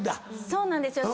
そうなんですよ。